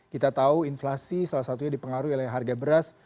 kita tahu inflasi salah satunya dipengaruhi oleh harga beras